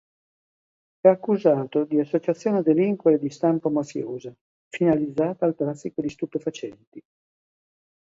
È accusato di associazione a delinquere di stampo mafiosa finalizzata al traffico di stupefacenti.